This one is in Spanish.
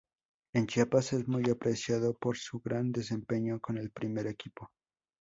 En Chiapas es muy apreciado por su gran desempeño con el primer equipo.